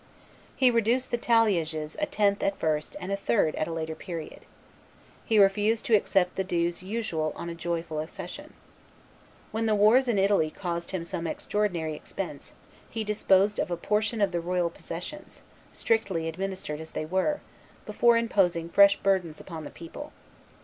He reduced the talliages a tenth at first and a third at a later period. He refused to accept the dues usual on a joyful accession. When the wars in Italy caused him some extraordinary expense, he disposed of a portion of the royal possessions, strictly administered as they were, before imposing fresh burdens upon the people.